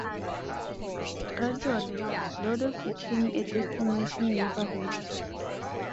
Gradually LoDo became a destination neighborhood.